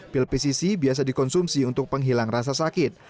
pil pcc biasa dikonsumsi untuk penghilang rasa sakit